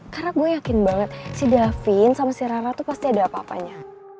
karena gue yakin banget si davin sama si rara tuh pasti ada apa apanya